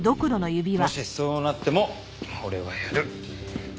もしそうなっても俺はやる。